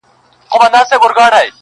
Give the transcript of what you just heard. o بلا بيده ښه وي، نه ويښه!